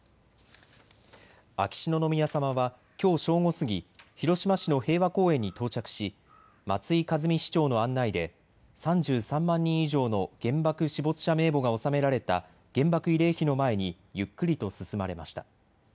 秋篠宮さまはきょう正午過ぎ、広島市の平和公園に到着し松井一実市長の案内で３３万人以上の原爆死没者名簿が納められた原爆慰霊碑の前にゆっくりと進まれました。